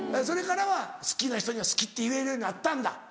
それからは好きな人には好きって言えるようになったんだ？